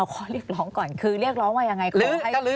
ขอเรียกร้องก่อนคือเรียกร้องว่าอย่างไร